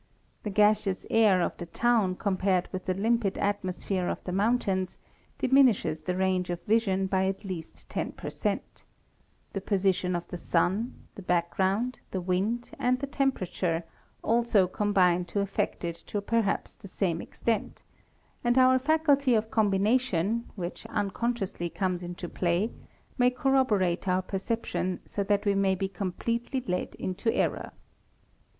The gaseous air of the town ¢ ompared with the limpid atmosphere of the mountains diminishes the 'ya 'ange of vision by at least ten per cent; the position of the sun, the background, the wind, and the temperature also combine to affect it 5 i perhaps the same extent; and our faculty of combination, which 1consciously comes into play, may corroborate our perception so that we uy be completely led into error.